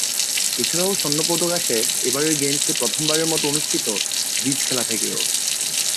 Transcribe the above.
এছাড়াও স্বর্ণ-পদক আসে, এবারের গেমসে প্রথমবারের মত অনুষ্ঠিত ব্রিজ খেলা থেকেও।